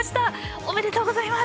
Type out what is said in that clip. おめでとうございます！